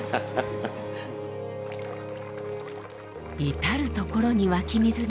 至る所に湧き水が。